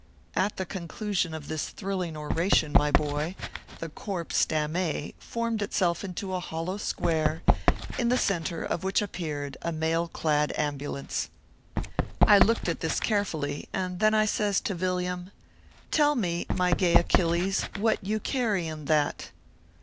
At the conclusion of this thrilling oration, my boy, the corpse dammee formed itself into a hollow square in the centre of which appeared a mail clad ambu lance. 244 ORPHEUS C. .KERR PAPERS. I looked at this carefully, and then says I to Vil liam :" Tell me, my gay Achilles, what you carry in that